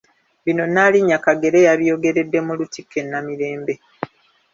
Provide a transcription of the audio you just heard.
Bino Nnaalinnya Kagere yabyogeredde mu Lutikko e Namirembe.